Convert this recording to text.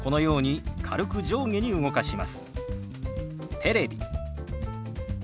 「テレビ」。